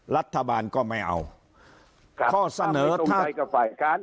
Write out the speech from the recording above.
รัฐบาลก็ไม่เอาครับข้อเสนอถ้าไม่ตรงใจกับฝ่ายการ